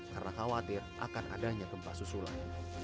karena khawatir akan adanya tempat susulan